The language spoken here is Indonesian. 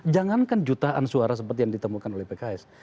jangankan jutaan suara seperti yang ditemukan oleh pks